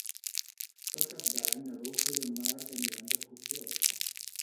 Per Cap d'Any na Dolça i en Marc aniran d'excursió.